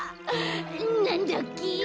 なんだっけ？